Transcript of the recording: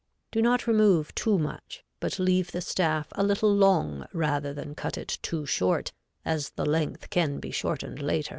Do not remove too much, but leave the staff a little long rather than cut it too short, as the length can be shortened later.